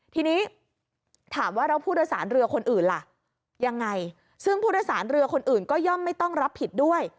ทีนี้ถามว่าแล้วผู้โดยสารเรือคนอื่นล่ะยังไงซึ่งผู้โดยสารเรือคนอื่นก็ย่อมไม่ต้องรับผิดด้วย